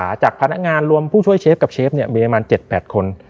หลังจากพนักงานรวมผู้ช่วยเชฟกับเชฟเนี่ยมีประมาณ๗๘คน